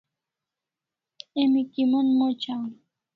Emi kiman moc an?